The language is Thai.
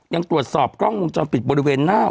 ยังตรวจสอบกล้องวงจรปิดบริเวณหน้า